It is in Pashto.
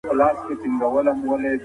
هڅه وکړئ چي د ادب په اړه ډېر ولولئ.